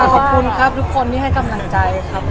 ขอบคุณครับทุกคนที่ให้กำลังใจครับ